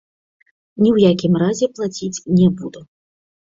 Ні ў якім разе плаціць не буду.